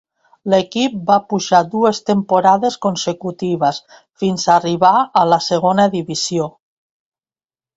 L'equip va pujar dues temporades consecutives fins a arribar a la Segona Divisió.